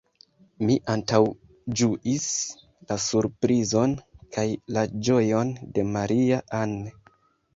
Mi antaŭĝuis la surprizon kaj la ĝojon de Maria-Ann.